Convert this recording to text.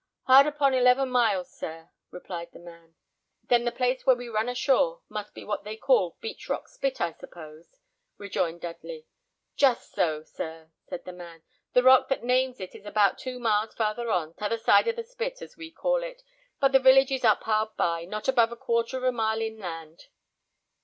"Hard upon eleven miles, sir," replied the man. "Then the place where we run ashore must be what they call Beachrock Spit, I suppose?" rejoined Dudley. "Just so, sir," said the man; "the rock that names it is about two miles farther on, t'other side of the spit, as we call it; but the village is up hard by, not above a quarter of a mile inland."